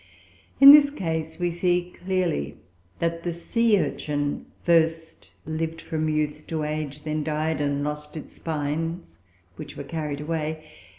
In this case, we see clearly that the sea urchin first lived from youth to age, then died and lost its spines, which were carried away.